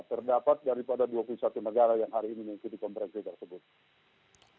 terdapat dari pada dua puluh satu negara yang hari ini mengikuti komprensi tersebut